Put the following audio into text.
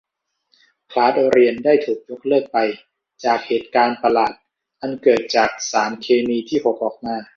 คลาสเรียนได้ถูกยกเลิกไป จากเหตุการณ์ประหลาดอันเกิดจากสารเคมีที่หกออกมา